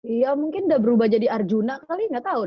iya mungkin udah berubah jadi arjuna kali gak tau dah